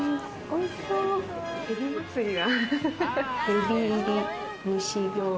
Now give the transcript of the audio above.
おいしそう。